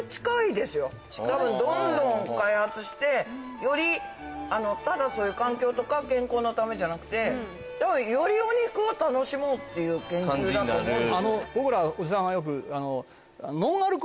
どんどん開発してよりただそういう環境とか健康のためじゃなくてよりお肉を楽しもうっていう研究だと思うんですよね。